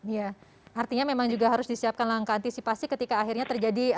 ya artinya memang juga harus disiapkan langkah antisipasi ketika akhirnya terjadi